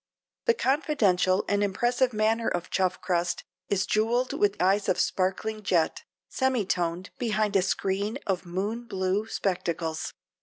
The confidential and impressive manner of Chuffkrust, is jewelled with eyes of sparkling jet, semitoned behind a screen of moonblue spectacles.